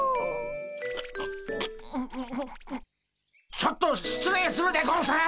ちょっと失礼するでゴンス！